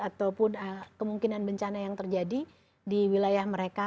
ataupun kemungkinan bencana yang terjadi di wilayah mereka